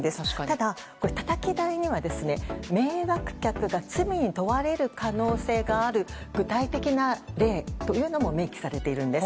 ただ、たたき台には迷惑客が罪に問われる可能性がある具体的な例というのも明記されているんです。